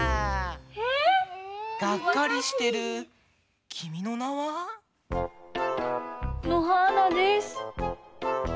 ええ⁉がっかりしてる「君の名は。」？のはーなです。